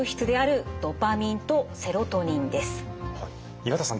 岩田さん